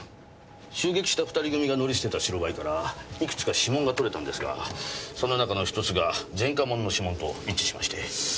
襲撃した二人組が乗り捨てた白バイからいくつか指紋が取れたんですがその中の１つが前科者の指紋と一致しまして。